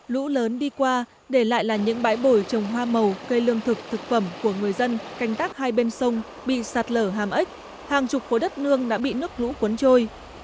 lũ lớn đi qua để lại là những bãi bồi trồng hoa màu cây lương thực thực phẩm của người dân canh tác hai bên sông bị sạt lở hàm ếch hàng chục khối đất nương đã bị nước lũ cuốn trôi